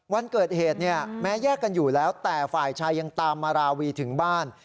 วันเกิดเหตุเนี่ยแม้แยกกันอยู่แล้วแต่ฝ่ายชายยังตามมาราวีถึงบ้าน